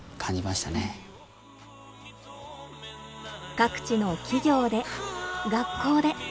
各地の企業で学校で。